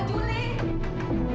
aduh buka jantung gitu